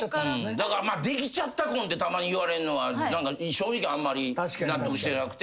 だからできちゃった婚ってたまに言われんのは正直あんまり納得してなくて。